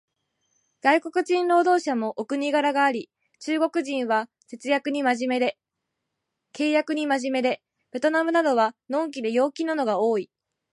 外国人労働者もお国柄があり、中国人は契約に真面目で、ベトナムなどは呑気で陽気なのが多い